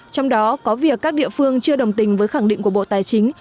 trong đó có việc các địa phương chưa đồng tình với khẳng định của bộ tài chính